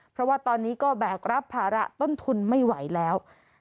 เพราะว่าตอนนี้ก็แบกรับภาระต้นทุนไม่ไหวแล้ว